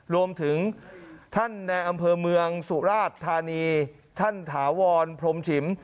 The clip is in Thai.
รวมถึงท่านในอำเภอเมืองสุราชธานีท่านถาวรพรมฉิม